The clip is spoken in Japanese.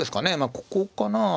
ここかな。